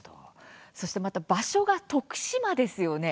そして場所が徳島ですよね。